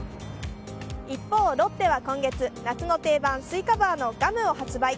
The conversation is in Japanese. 一方、ロッテは今月夏の定番、スイカバーのガムを発売。